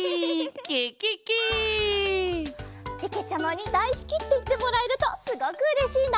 けけちゃまにだいすきっていってもらえるとすごくうれしいな。